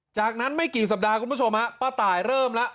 จากนั้นไม่กี่สัปดาห์คุณผู้ชมฮะป้าตายเริ่มแล้ว